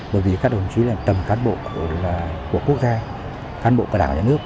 bởi vì các đồng chí là tầm cán bộ của quốc gia cán bộ của đảng nhà nước